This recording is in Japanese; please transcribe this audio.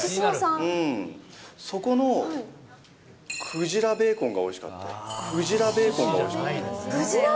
そこのクジラベーコンがおいクジラベーコン？